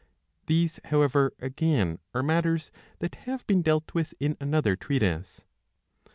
These, however, again are matters that have been dealt with in another treatise.